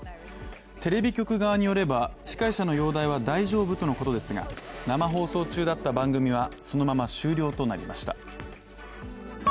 テレビ局側によれば、司会者の容体は大丈夫とのことですが、生放送中だった番組はそのまま終了となりました。